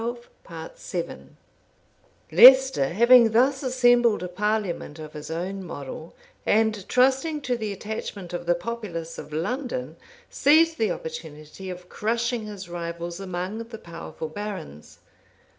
Leicester, having thus assembled a parliament of his own model, and trusting to the attachment of the populace of London, seized the opportunity of crushing his rivals among the powerful barons.